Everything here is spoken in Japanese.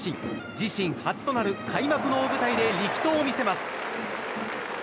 自身初となる開幕の大舞台で力投を見せます。